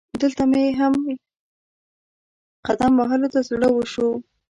دلته مې هم قدم وهلو ته زړه وشو.